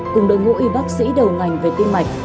cùng đồng hội bác sĩ đầu ngành về tim mạch